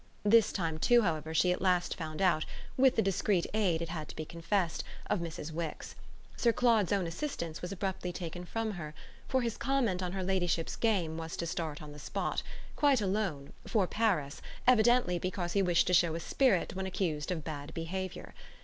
This time too, however, she at last found out with the discreet aid, it had to be confessed, of Mrs. Wix. Sir Claude's own assistance was abruptly taken from her, for his comment on her ladyship's game was to start on the spot, quite alone, for Paris, evidently because he wished to show a spirit when accused of bad behaviour.